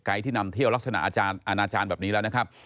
ที่นำเที่ยวลักษณะอาจารย์อนาจารย์แบบนี้แล้วนะครับ